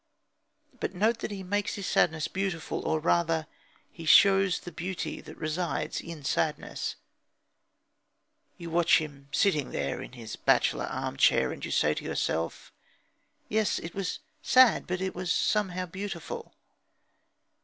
But note that he makes his sadness beautiful; or, rather, he shows the beauty that resides in sadness. You watch him sitting there in his "bachelor arm chair," and you say to yourself: "Yes, it was sad, but it was somehow beautiful."